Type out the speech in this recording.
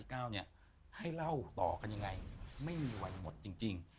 หัวฤ้าน๙ราชากาลที่๙เนี่ยให้เล่าต่อกันยังไงไม่มีเวลาหมดจริง